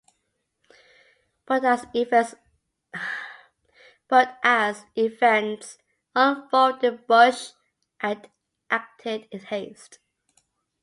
But as events unfolded, Busch had acted in haste.